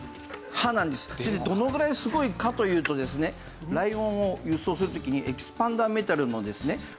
どのぐらいすごいかというとですねライオンを輸送する時にエキスパンドメタルのですね